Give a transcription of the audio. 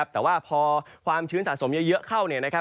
แต่ว่าพอความชื้นสะสมเยอะเข้า